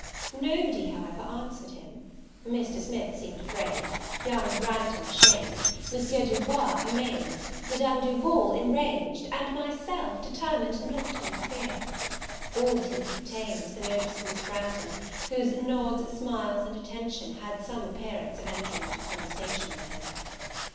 Nobody, however, answered him; Mr. Smith seemed afraid, young Branghton ashamed, M. Du Bois amazed, Madame Duval enraged, and myself determined not to interfere. All that he could obtain, was the notice of Miss Branghton, whose nods, smiles, and attention, had some appearance of entering into conversation with him.